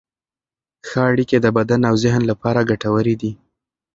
ښه اړیکې د بدن او ذهن لپاره ګټورې دي.